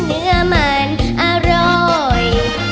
เนื้อมันอร่อย